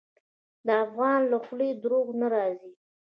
د افغان له خولې دروغ نه راځي.